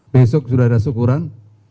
besok sudah ada syukuran